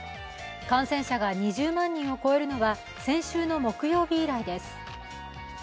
感染者が２０万人を超えるのは先週の木曜日以来です。